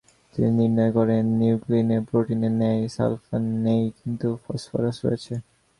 তিনি নির্ণয় করেন, নিউক্লিনে প্রোটিনের ন্যায় সালফার নেই কিন্তু ফসফরাস রয়েছে।